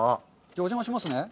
お邪魔しますね。